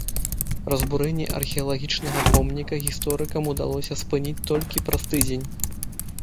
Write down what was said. Разбурэнне археалагічнага помніка гісторыкам удалося спыніць толькі праз тыдзень.